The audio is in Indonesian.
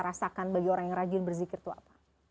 rasakan bagi orang yang rajin berzikir itu apa